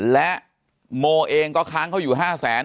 และโม่เองก็ค้างเค้าอยู่ห้าแสน